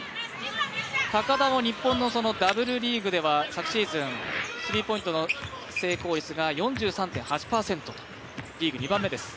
高田も日本のＷリーグでは昨シーズンスリーポイントの成功率が４３．８％とリーグ２番目です。